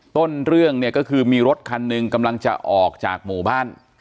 ต้นเรื่องเนี่ยก็คือมีรถคันหนึ่งกำลังจะออกจากหมู่บ้าน